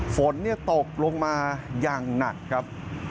ฝนตกลงมาอย่างหนักครับ